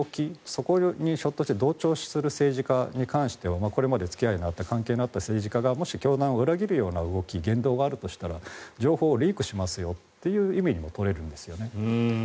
そこにひょっとして同調する政治家に関してはこれまで付き合い、関係のあった政治家についてはもし教団を裏切るような動き言動があるとしたら情報をリークしますよという意味にも取れるんですよね。